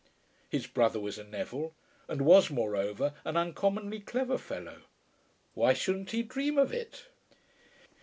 His brother was a Neville, and was moreover an uncommonly clever fellow. "Why shouldn't he dream of it?"